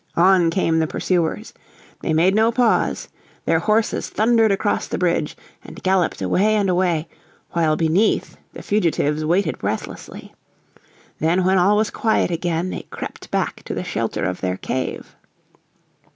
On came the pursuers. They made no pause. Their horses thundered across the bridge and galloped away and away, while beneath the fugitives waited breathlessly. Then when all was quiet again they crept back to the shelter of their cave.